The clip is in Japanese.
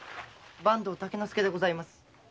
坂東竹之助でございます。